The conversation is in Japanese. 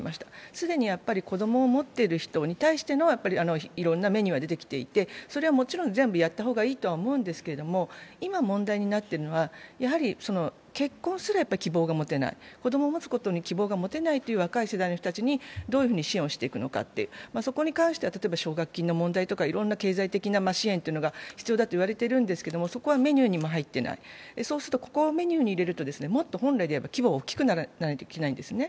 既に子供を持っている人に対してのいろいろなメニューは出てきていて、それはもちろん全部やった方がいいと思うんですけども、今問題になってるのはやはり、結婚すら希望が持てない子供を持つことに希望が持てないという若い人たちにどういうふうに支援をしていくのかという、そこに関しては例えば奨学金の問題とか、いろんな経済的な支援が必要だと言われていますが、そこはメニューにも入っていないそうするとそこをメニューに入れるともっと本来で言えば規模は大きくならないといけないんですね。